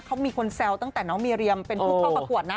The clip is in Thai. เขามีคนแซวตั้งแต่น้องมีเรียมเป็นผู้เข้าประกวดนะ